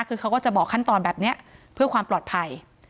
คือเขาก็จะบอกขั้นตอนแบบนี้เพื่อความปลอดภัย